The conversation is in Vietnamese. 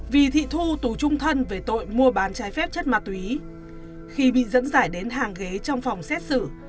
vì thị thu tù trung thân về tội mua bán trái phép chất ma túy khi bị dẫn giải đến hàng ghế trong phòng xét xử